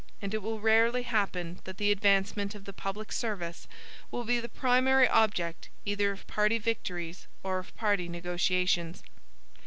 And it will rarely happen that the advancement of the public service will be the primary object either of party victories or of party negotiations.